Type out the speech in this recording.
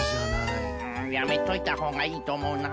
んやめといたほうがいいとおもうな。